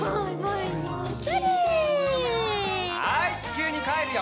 はいちきゅうにかえるよ。